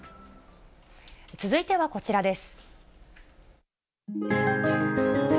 続いてはこちらです。